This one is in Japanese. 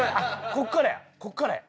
ここからやここからや。